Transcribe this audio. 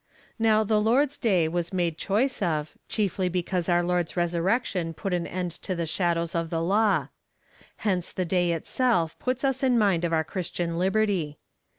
Now the Lord's day was made choice of, chiefly because our Lord's resurrection put an end to the shadows of the law. Hence the day itself puts us in mind of our Christian liberty.